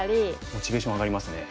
モチベーション上がりますね。